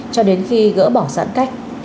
cho đến khi gỡ bỏ giãn cách